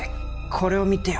これを見てよ